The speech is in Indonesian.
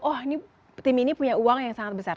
oh ini tim ini punya uang yang sangat besar